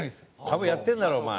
株やってんだろお前。